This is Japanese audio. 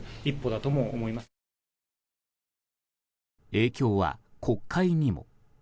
影響は国会にも。